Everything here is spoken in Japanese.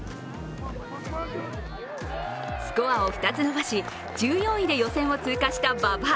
スコアを２つ伸ばし、１４位で予選を通過した馬場。